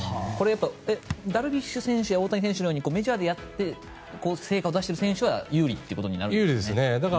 ダルビッシュ選手や大谷選手のようにメジャーでやって成果を出している選手は有利ですね。